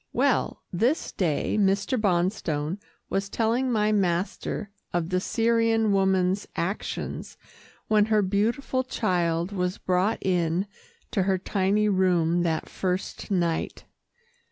Well, this day Mr. Bonstone was telling my master of the Syrian woman's actions when her beautiful child was brought in to her tiny room that first night.